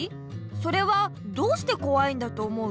それはどうしてこわいんだと思う？